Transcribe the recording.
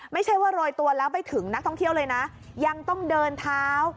ไม่ใช่ว่าโรยตัวแล้วไปถึงนักท่องเที่ยวเลยนะยังต้องเดินเท้า